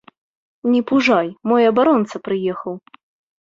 Не пужай, мой абаронца прыехаў.